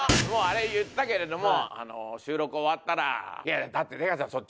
もうあれ言ったけれども収録終わったら「いやいやだって出川さん